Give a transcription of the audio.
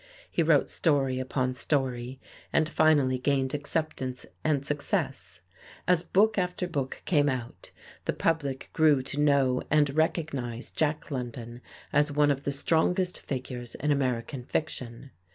He wrote story upon story, and finally gained acceptance and success. As book after book came out, the public grew to know and recognize Jack London as one of the strongest figures in American fiction.